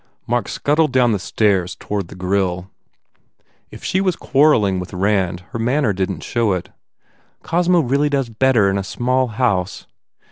Mark scuttled down the stairs toward the grill. If she was quarrelling with Rand her manner didn t show it. "Cosmo really does better in a small house."